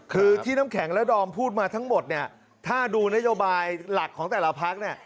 คือที่น้ำแข็งและดอมพูดมาทั้งหมดถ้าดูนโยบายหลักของแต่ละภาค